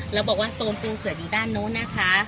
แล้วบอกว่าโซนปูเสืออยู่ด้านนู้นนะคะ